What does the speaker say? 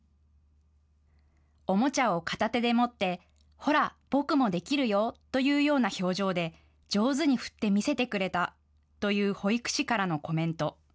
おもちゃを片手で持ってほら、僕もできるよと言うような表情で上手に振って見せてくれたという保育士からのコメント。